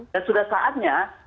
dan sudah saatnya